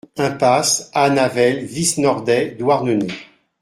Impasse An Avel Viz Nordet, Douarnenez